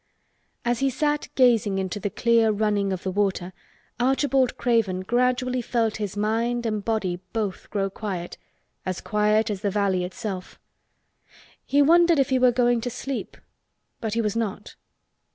As he sat gazing into the clear running of the water, Archibald Craven gradually felt his mind and body both grow quiet, as quiet as the valley itself. He wondered if he were going to sleep, but he was not.